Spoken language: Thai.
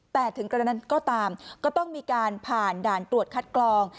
แต่ถึงกระนั้นก็ตามก็ต้องมีการผ่านด่านตรวจคัดกรอง